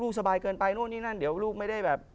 สบายเกินไปนู่นนี่นั่นเดี๋ยวลูกไม่ได้แบบ